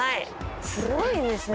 すごいですね。